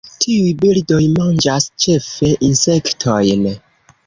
Tiuj birdoj manĝas ĉefe insektojn.